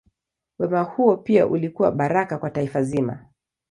Wema huo pia ulikuwa baraka kwa taifa zima.